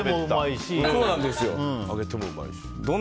揚げてもうまいし。